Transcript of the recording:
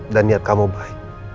dan niat kamu baik